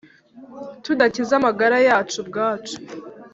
tudakiza amagara yacu ubwacu